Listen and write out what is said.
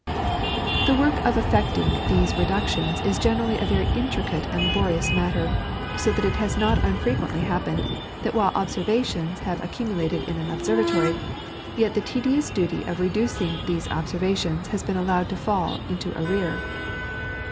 The work of effecting these reductions is generally a very intricate and laborious matter, so that it has not unfrequently happened that while observations have accumulated in an observatory, yet the tedious duty of reducing these observations has been allowed to fall into arrear.